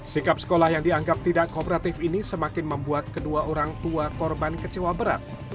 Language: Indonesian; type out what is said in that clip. sikap sekolah yang dianggap tidak kooperatif ini semakin membuat kedua orang tua korban kecewa berat